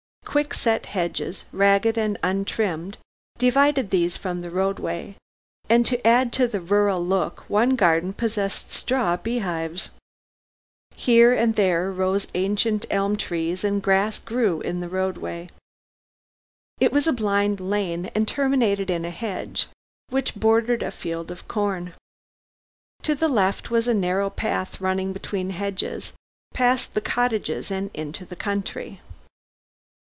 Quickset hedges, ragged and untrimmed, divided these from the roadway, and to add to the rural look one garden possessed straw bee hives. Here and there rose ancient elm trees and grass grew in the roadway. It was a blind lane and terminated in a hedge, which bordered a field of corn. To the left was a narrow path running between hedges past the cottages and into the country.